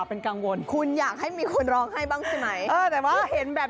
เพลงนี้อธิบายได้ดีเนอะ